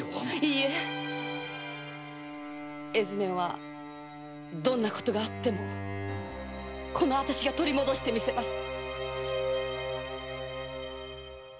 いいえ絵図面はどんな事があっても私が取り戻してみせます。